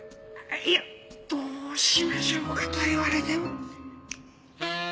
いやどうしましょうかと言われても。